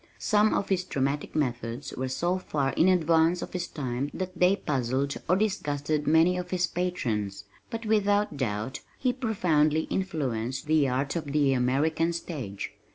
Some of his dramatic methods were so far in advance of his time that they puzzled or disgusted many of his patrons, but without doubt he profoundly influenced the art of the American stage.